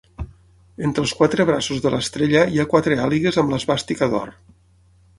Entre els quatre braços de l'estrella hi ha quatre àligues amb l'esvàstica d'or.